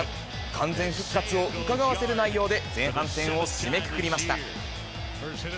完全復活をうかがわせる内容で前半戦を締めくくりました。